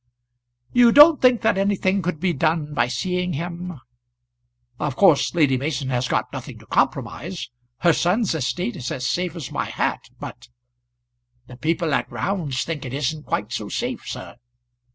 "You don't think that anything could be done by seeing him? Of course Lady Mason has got nothing to compromise. Her son's estate is as safe as my hat; but " "The people at Round's think it isn't quite so safe, sir."